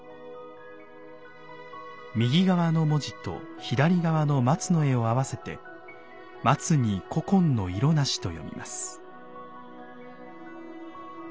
右側の文字と左側の松の絵を合わせて「松に古今の色無し」と読みます。